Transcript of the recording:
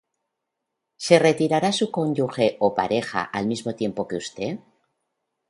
¿Se retirará su cónyuge o pareja al mismo tiempo que usted?